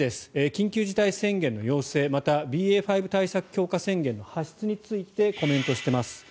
緊急事態宣言の要請またＢＡ．５対策強化宣言の発出についてコメントしています。